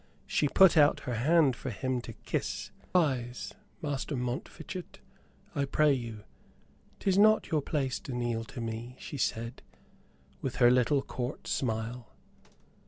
She put out her hand for him to kiss. "Rise, Master Montfichet, I pray you, 'tis not your place to kneel to me," she said, with her little Court smile.